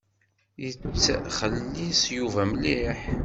Yettxelliṣ Yuba mliḥ.